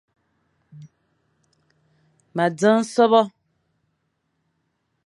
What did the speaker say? Ma dzeng sôbô.